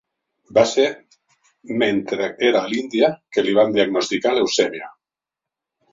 Va ser mentre era a l'Índia que li van diagnosticar leucèmia.